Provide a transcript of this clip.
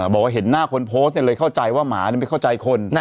บอกว่าเห็นหน้าคนโพสต์เลยเข้าใจว่าหมาไม่เข้าใจคน